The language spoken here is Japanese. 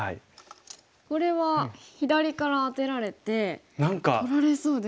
これは左からアテられて取られそうですよね。